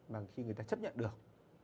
mà khi người ta chấp nhận được